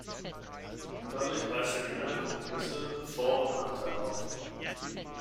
Dadurch weist er wie alle Kompromisse Vor- und Nachteile auf.